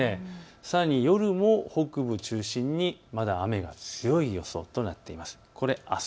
さらに夜も北部を中心にまだ雨が強い予想となっています。